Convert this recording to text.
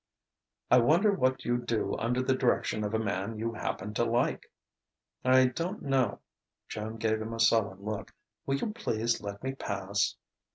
"I wonder what you'd do under the direction of a man you happened to like?" "I don't know." Joan gave him a sullen look. "Will you please let me pass."